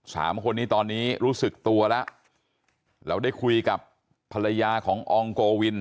สามคนนี้ตอนนี้รู้สึกตัวแล้วเราได้คุยกับภรรยาของอองโกวิน